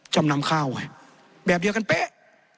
จำนำข้าวไว้แบบเดียวกันเป๊ะ